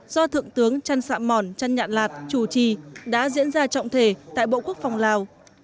do thượng tướng trăn xạ mòn trân nhạn lạt chủ trì đã diễn ra trọng thể tại bộ quốc phòng lào